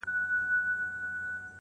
هیچاته دا حق نشته